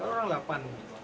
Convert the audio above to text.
ini orang delapan